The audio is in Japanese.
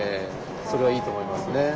それはいいと思いますね。